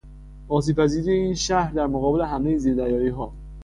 آسیب پذیری این شهر در مقابل حملهی زیر دریاییها